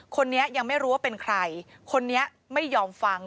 คนนี้ยังไม่รู้ว่าเป็นใครคนนี้ไม่ยอมฟัง